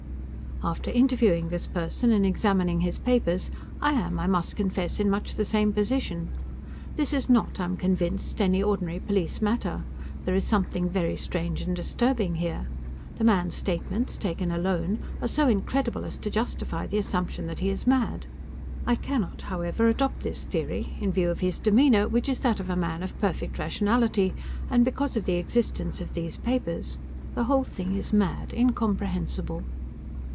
After interviewing this person and examining his papers, I am, I must confess, in much the same position. This is not, I am convinced, any ordinary police matter; there is something very strange and disturbing here. The man's statements, taken alone, are so incredible as to justify the assumption that he is mad. I cannot, however, adopt this theory, in view of his demeanor, which is that of a man of perfect rationality, and because of the existence of these papers. The whole thing is mad; incomprehensible!